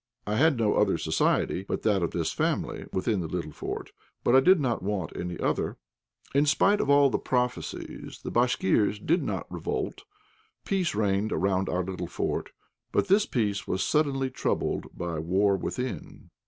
I had no other society but that of this family within the little fort, but I did not want any other. In spite of all the prophecies, the Bashkirs did not revolt. Peace reigned around our little fort. But this peace was suddenly troubled by war within.